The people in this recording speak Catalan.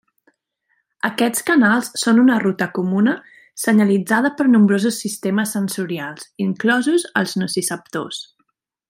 Aquests canals són una ruta comuna senyalitzada per a nombrosos sistemes sensorials, inclosos els nociceptors.